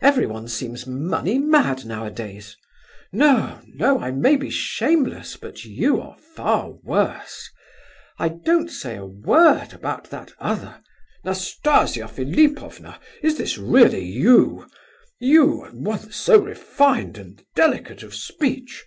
Everyone seems money mad nowadays. No, no! I may be shameless, but you are far worse. I don't say a word about that other—" "Nastasia Philipovna, is this really you? You, once so refined and delicate of speech.